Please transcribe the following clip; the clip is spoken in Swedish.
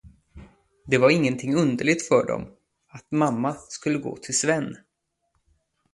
Det var ingenting underligt för dem, att mamma skulle gå till Sven.